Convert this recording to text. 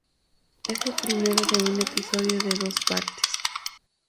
Es el primero de un episodio de dos partes.